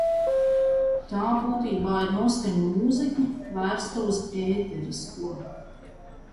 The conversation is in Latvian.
Tā būtībā ir noskaņu mūzika, vērsta uz ēterisko.